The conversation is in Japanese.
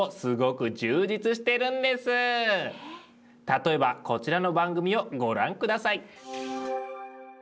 例えばこちらの番組をご覧下さい！